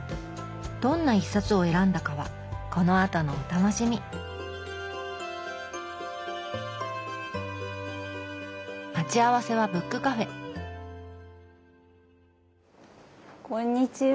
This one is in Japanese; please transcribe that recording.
どんな一冊を選んだかはこのあとのお楽しみ待ち合わせはブックカフェこんにちは。